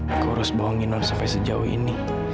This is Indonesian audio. aku harus bohongin sampai sejauh ini